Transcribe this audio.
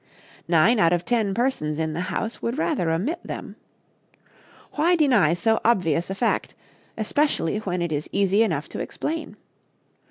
Nine out of ten persons in the house would rather omit them. Why deny so obvious a fact, especially when it is easy enough to explain?